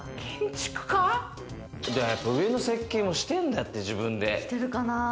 やっぱ上の設計もしてんだって自分で。